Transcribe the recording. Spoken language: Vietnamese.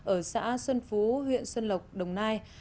ở xã xuân phú huyện xuân lộc đồng nai